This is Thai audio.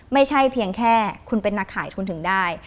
ไม่ใช่เพียงแค่คุณเป็นนักขายคุณถึงได้